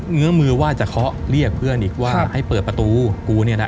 ื้อมือว่าจะเคาะเรียกเพื่อนอีกว่าให้เปิดประตูกูเนี่ยนะ